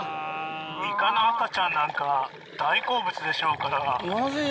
イカの赤ちゃんなんか大好物でしょうから。